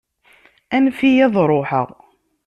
Anef-iyi ad ṛuḥeɣ.